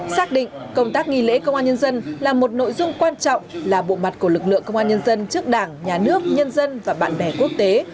xác định công tác nghi lễ công an nhân dân là một nội dung quan trọng là bộ mặt của lực lượng công an nhân dân trước đảng nhà nước nhân dân và bạn bè quốc tế